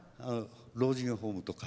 老人ホームとか